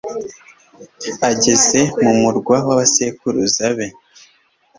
ageze mu murwa w'abasekuruza be